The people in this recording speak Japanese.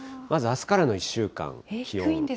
まずあすからの１週間、気温。